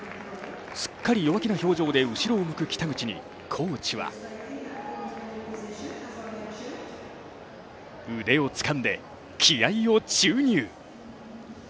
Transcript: すっかり弱気な表情で後ろを向く北口に、コーチは腕をつかんで気合いを注入。